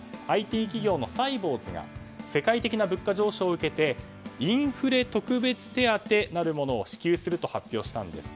ＩＴ企業のサイボウズが世界的な物価上昇を受けてインフレ特別手当なるものを支給すると発表したんです。